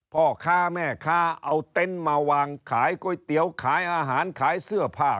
พ่อค้าแม่ค้าเอาเต็นต์มาวางขายก๋วยเตี๋ยวขายอาหารขายเสื้อผ้า